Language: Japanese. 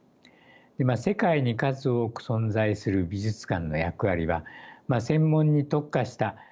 今世界に数多く存在する美術館の役割は専門に特化した美術館